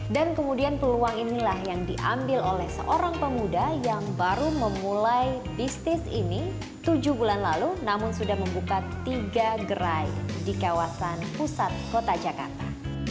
dan kemudian peluang inilah yang diambil oleh seorang pemuda yang baru memulai bisnis ini tujuh bulan lalu namun sudah membuka tiga gerai di kawasan pusat kota jakarta